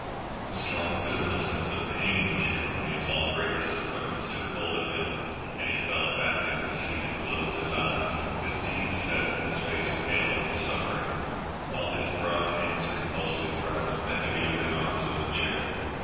The strong physical sense of pain which accompanies all great disappointments, took hold of him, and he fell back in his seat and closed his eyes, his teeth set and his face pale with the suffering, while his broad hands convulsively grasped the heavy oaken arms of his chair.